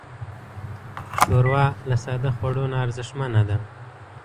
ښوروا له ساده خوړو نه ارزښتمنه ده.